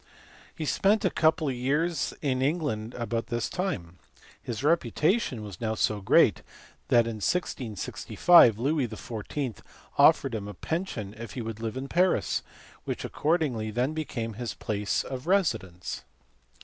He spent a couple of years in England about this time. His reputation was now so great that in 1665 Louis XIV. offered him a pension if he would live in Paris, which accordingly then became his place of residence.